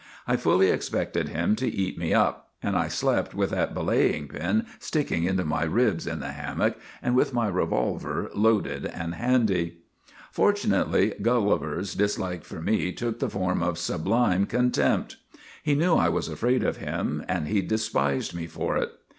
I fully expected him to eat me up, and I slept with that belaying pin sticking into my ribs in the hammock, and with my revolver loaded and handy. ' Fortunately, Gulliver's dislike for me took the form of sublime contempt. He knew I was afraid of him, and he despised me for it.